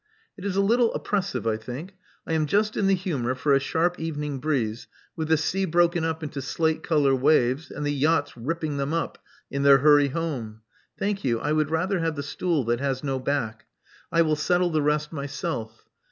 "It is a little oppressive, I think. I am just in the humor for a sharp evening breeze, with the sea broken up into slate color waves, and the yachts ripping them up in their hurry home. Thank you, I would rather have the stool that has no back : I will settle the rest myself.